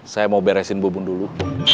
saya mau beresin bubun dulu